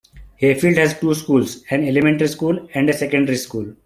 Hayfield has two schools, an elementary school and a secondary school.